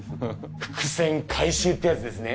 伏線回収ってやつですね？